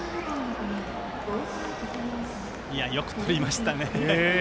よくとりましたね。